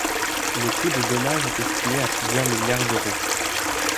Le coût des dommages est estimé à plusieurs milliards d'euros.